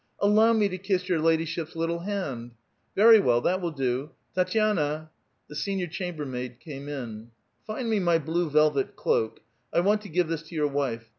'' Allow me to kiss your ladyship's little hand !"" Very well, that will do. — Tatiana !" The senior cham bermaid came in. '' Find me my blue velvet cloak. I want to give this to your wife.